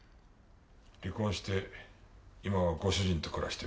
離婚して今はご主人と暮らしている。